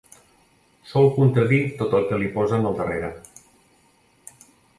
Sol contradir tot el que li posen al darrere.